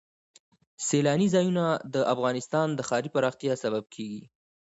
سیلانی ځایونه د افغانستان د ښاري پراختیا سبب کېږي.